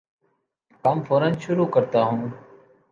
کام فورا شروع کرتا ہوں